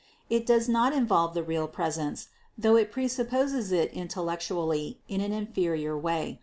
It does not involve the real presence, though it THE CONCEPTION 489 presupposes it intellectually in an inferior way.